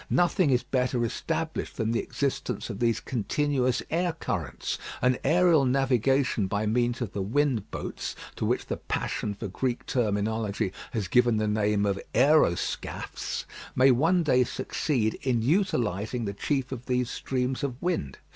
Nothing is better established than the existence of those continuous air currents; and aerial navigation by means of the wind boats, to which the passion for Greek terminology has given the name of "aeroscaphes," may one day succeed in utilising the chief of these streams of wind.